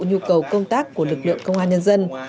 nhu cầu công tác của lực lượng công an nhân dân